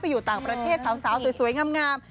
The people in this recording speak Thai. อยู่ต่างประเทศสาวสวยงาม